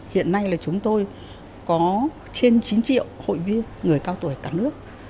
hiện nay là chúng tôi có trên chín triệu hội viên người cao tuổi cả nước